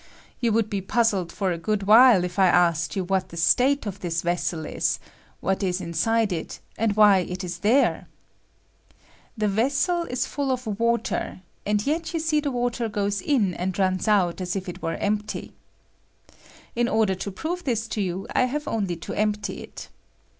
You would be puzzled for a good while if I aaked you what the state of this vessel is, what is iuside it, and why it is there ? The vessel is full of water, and yet you see the water goes in and ruus out as if it were empty. In order to prove this to you. I have only to empty it.